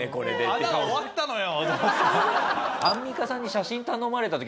「穴終わったのよ」。